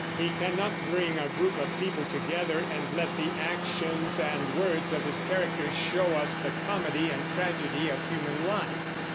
He cannot bring a group of people together and let the actions and words of his characters show us the comedy and tragedy of human life.